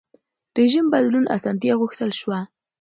رژیم بدلون اسانتیا غوښتل شوه.